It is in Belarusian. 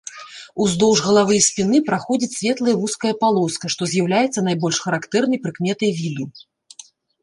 Уздоўж галавы і спіны праходзіць светлая вузкая палоска, што з'яўляецца найбольш характэрнай прыкметай віду.